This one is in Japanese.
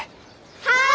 はい！